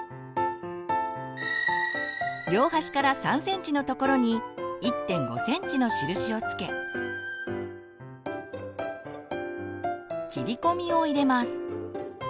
両端から３ｃｍのところに１．５ｃｍの印をつけ切り込みを入れます。